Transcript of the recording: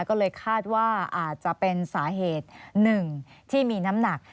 ก็เลยคาดว่าอาจจะเป็นสาเหตุหนึ่งที่มีน้ำหนัก